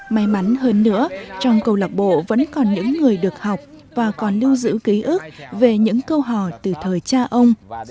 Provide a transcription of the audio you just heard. may mắn hơn nữa trong câu lạc bộ vẫn còn những người được học và còn lưu giữ ký ức về những câu hò từ thời cha ông